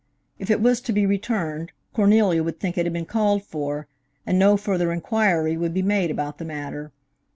If it was to be returned, Cornelia would think it had been called for, and no further inquiry would be made about the matter.